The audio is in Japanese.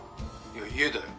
いや家だよ。